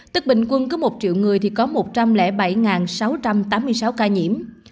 tức bình quân có một triệu người thì có một trăm linh bảy sáu trăm tám mươi sáu ca nhiễm